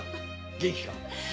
元気か？